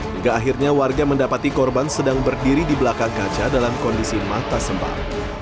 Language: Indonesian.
hingga akhirnya warga mendapati korban sedang berdiri di belakang gajah dalam kondisi mata sembar